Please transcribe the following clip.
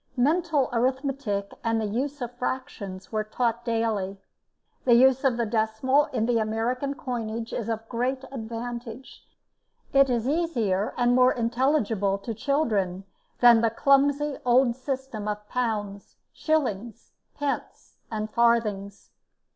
Mental arithmetic and the use of fractions were taught daily. The use of the decimal in the American coinage is of great advantage; it is easier and more intelligible to children than the clumsy old system of pounds, shillings, pence, and farthings.